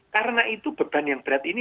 karena itu beban yang berat ini